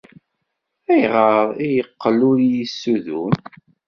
Ayɣer ay yeqqel ur iyi-yessudun?